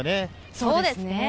そうですね。